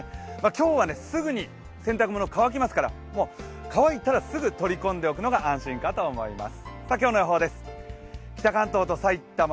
今日はすぐに洗濯物乾きますから乾いたらすぐ取り込んでおくのが安心だと思います。